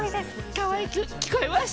かわいく聞こえました？